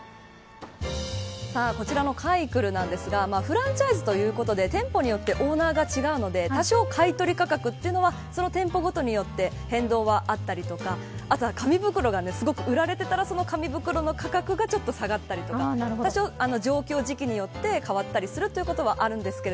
こちらの買いクルなんですがフランチャイズということで店舗によってオーナーが違うので多少、買い取り価格はその店舗ごとによって変動はあったりとか紙袋が売られていたら紙袋の価格が下がったりとか多少、状況や時期によって変わったりすることはあるんですが